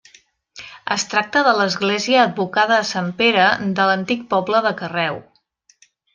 Es tracta de l'església advocada a sant Pere de l'antic poble de Carreu.